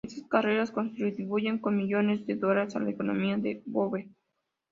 Estas carreras contribuyen con millones de dólares a la economía de Dover.